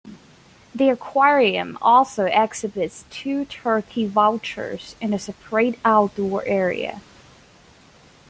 The Aquarium also exhibits two turkey vultures in a separate outdoor area.